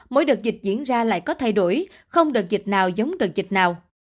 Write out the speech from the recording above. mỗi đợt dịch diễn ra lại có thay đổi không đợt dịch nào giống đợt dịch nào